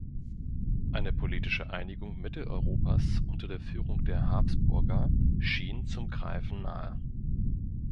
Eine politische Einigung Mitteleuropas unter der Führung der Habsburger schien zum Greifen nahe.